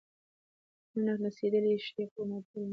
پاڼه نڅېدلی شي خو ماتېدلی نه شي.